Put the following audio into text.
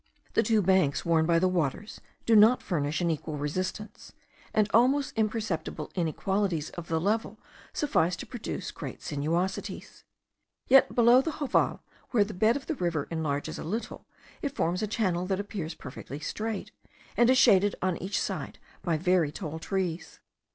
The two banks, worn by the waters, do not furnish an equal resistance; and almost imperceptible inequalities of the level suffice to produce great sinuosities. Yet below the Joval, where the bed of the river enlarges a little, it forms a channel that appears perfectly straight, and is shaded on each side by very tall trees.